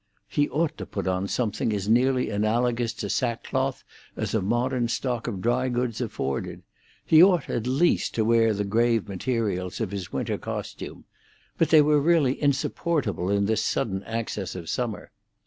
He ought to put on something as nearly analogous to sackcloth as a modern stock of dry goods afforded; he ought, at least, to wear the grave materials of his winter costume. But they were really insupportable in this sudden access of summer.